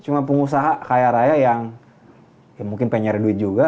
cuma pengusaha kaya raya yang mungkin pengen duit juga